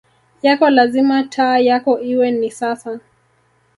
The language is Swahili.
yako lazima taa yako iwe ni sasa